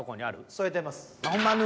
添えてます。